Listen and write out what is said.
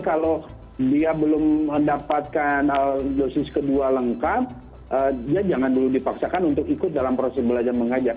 kalau dia belum mendapatkan dosis kedua lengkap dia jangan dulu dipaksakan untuk ikut dalam proses belajar mengajar